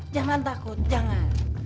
jangan takut jangan